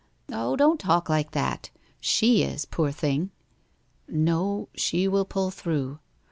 'Oh, don't talk like that! She is, poor thing!' 'No, she will pull through.